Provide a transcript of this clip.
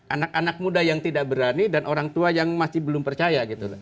anak anak muda yang tidak berani dan orang tua yang masih belum percaya gitu loh